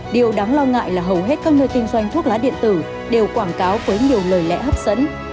điều đáng lo ngại là hầu hết các nơi kinh doanh thuốc lá điện tử đều quảng cáo với nhiều lời lẽ hấp dẫn